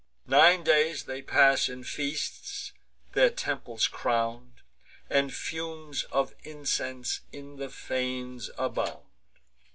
Nine days they pass in feasts, their temples crown'd; And fumes of incense in the fanes abound.